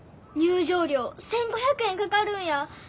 入場料１，５００円かかるんや。